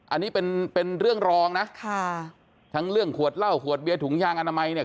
อันนี้เป็นเป็นเรื่องรองนะค่ะทั้งเรื่องขวดเหล้าขวดเบียร์ถุงยางอนามัยเนี่ย